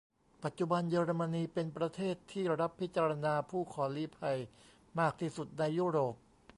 ปัจจุบัน เยอรมนีเป็นประเทศที่รับพิจารณาผู้ขอลี้ภัยมากที่สุดในยุโรป